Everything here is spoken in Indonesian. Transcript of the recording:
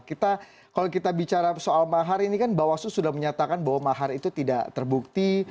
kita kalau kita bicara soal mahar ini kan bawaslu sudah menyatakan bahwa mahar itu tidak terbukti